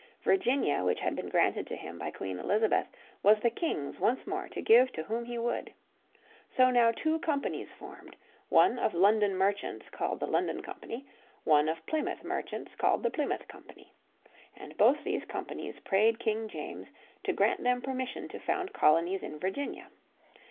Virginia, which had been granted to him by Queen Elizabeth was the King's once more to give to whom he would. So now two companies were formed, one of London merchants called the London Company, one of Plymouth merchants called the Plymouth Company. And both these companies prayed King James to grant them permission to found colonies in Virginia.